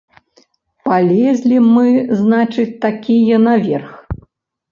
Палезлі мы, значыць, такія наверх.